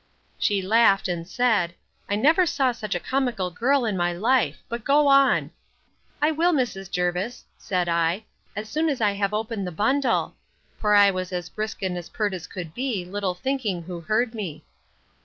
She laughed, and said, I never saw such a comical girl in my life! But go on. I will, Mrs. Jervis, said I, as soon as I have opened the bundle; for I was as brisk and as pert as could be, little thinking who heard me.